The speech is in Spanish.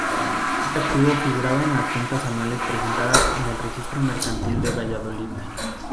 Este activo figuraba en las cuentas anuales presentadas en el Registro Mercantil de Valladolid.